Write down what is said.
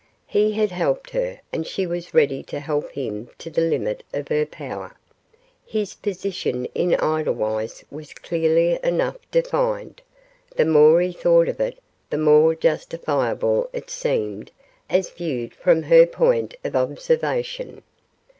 He had helped her, and she was ready to help him to the limit of her power. His position in Edelweiss was clearly enough defined. The more he thought of it, the more justifiable it seemed as viewed from her point of observation.